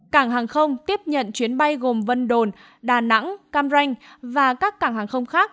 cảng hàng không tiếp nhận chuyến bay gồm vân đồn đà nẵng cam ranh và các cảng hàng không khác